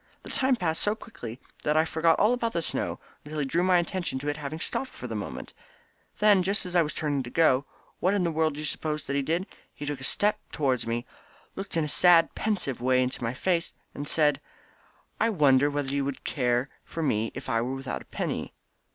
The time passed so quickly that I forgot all about the snow until he drew my attention to its having stopped for the moment. Then, just as I was turning to go, what in the world do you suppose that he did? He took a step towards me, looked in a sad pensive way into my face, and said: `I wonder whether you could care for me if I were without a penny.'